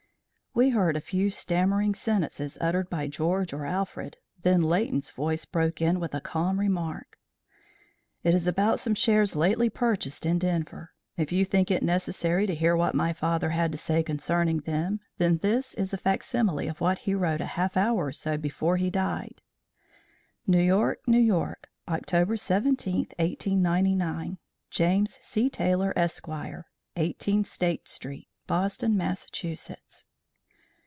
We heard a few stammering sentences uttered by George or Alfred, then Leighton's voice broke in with the calm remark: "It is about some shares lately purchased in Denver. If you think it necessary to hear what my father had to say concerning them, this is a facsimile of what he wrote a half hour or so before he died: New York, N. Y., Oct. 17, 1899. James C. Taylor, Esq., 18 State St., Boston, Mass.